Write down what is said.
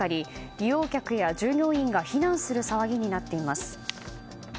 利用客や従業員が避難する騒ぎになっています。